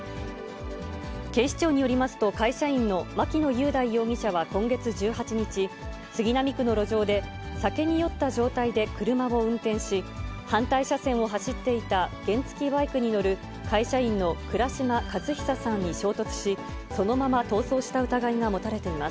警視庁によりますと、会社員の牧野雄大容疑者は今月１８日、杉並区の路上で酒に酔った状態で車を運転し、反対車線を走っていた原付きバイクに乗る会社員の倉島和久さんに衝突し、そのまま逃走した疑いが持たれています。